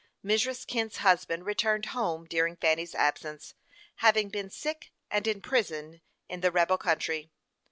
Mrs. Kent's husband returned home during Fanny's absence, having been "sick and in prison" in the rebel country.